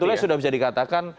sebetulnya sudah bisa dikatakan